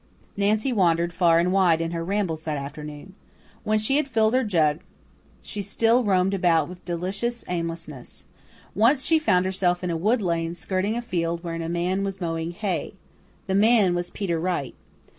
Nancy wandered far and wide in her rambles that afternoon. When she had filled her jug she still roamed about with delicious aimlessness. Once she found herself in a wood lane skirting a field wherein a man was mowing hay. The man was Peter Wright.